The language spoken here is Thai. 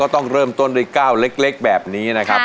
ต้องเริ่มต้นด้วยก้าวเล็กแบบนี้นะครับ